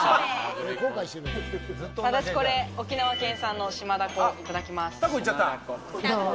私これ沖縄県産の島だこ、いただきます。